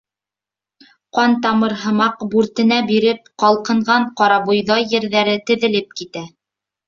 Ҡантамыр һымаҡ бүртенә биреп ҡалҡынған ҡарабойҙай ерҙәре теҙелеп китә.